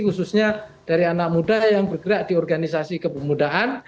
khususnya dari anak muda yang bergerak di organisasi kepemudaan